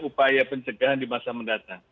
upaya pencegahan di masa mendatang